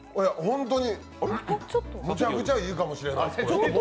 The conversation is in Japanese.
めちゃくちゃいいかもしれない。